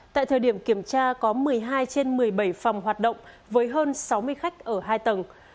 tại thời điểm kiểm tra có một mươi hai trên một mươi bảy phòng hoạt động với hơn sáu mươi khách ở hai tầng